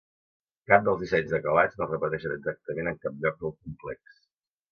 Cap dels dissenys de calats no es repeteixen exactament en cap lloc del complex.